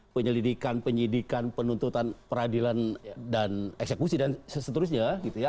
penyelidikan penyidikan penuntutan peradilan dan eksekusi dan seterusnya